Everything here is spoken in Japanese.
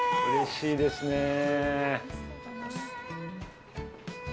うれしいですね。